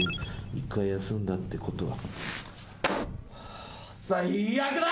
１回休んだってことは」